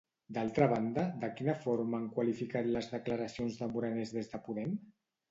D'altra banda, de quina forma han qualificat les declaracions de Morenés des de Podem?